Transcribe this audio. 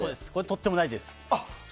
とっても大事です。